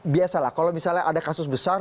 biasalah kalau misalnya ada kasus besar